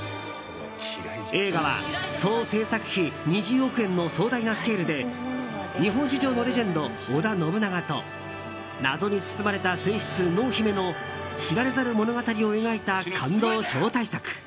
映画は総制作費２０億円の壮大なスケールで日本史上のレジェンド織田信長と謎に包まれた正室・濃姫の知られざる物語を描いた感動超大作。